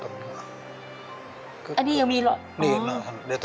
อันนี้ยังมีเหรอ